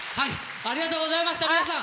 ありがとうございました皆さん！